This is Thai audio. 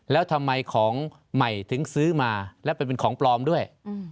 แล้วทำไมของใหม่ถึงซื้อมาแล้วเป็นของปลอมด้วย